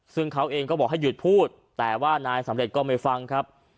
ซึ่งเขาเองก็บอกให้หยุดพูดแต่ว่านายสำเร็จก็ไม่ฟังครับ